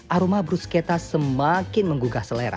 aroma bruschetta semakin menggugah selera